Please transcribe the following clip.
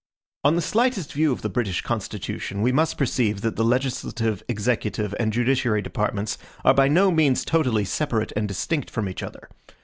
On the slightest view of the British Constitution, we must perceive that the legislative, executive, and judiciary departments are by no means totally separate and distinct from each other.